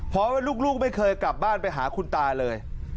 เพราะว่าลูกไม่เคยกลับบ้านไปหาคุณตาเลย